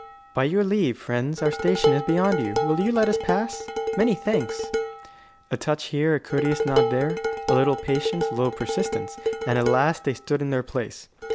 "By your leave, friends, our station is beyond you. Will you let us pass? Many thanks." A touch here, a courteous nod there, a little patience, a little persistence, and at last they stood in their place.